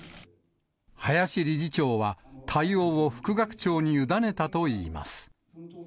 林理事長は対応を副学長にゆだねたといいます。